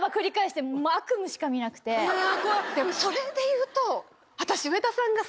それでいうと私。